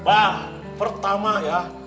bah pertama ya